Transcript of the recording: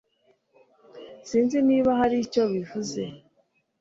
Sinzi niba hari icyo bivuze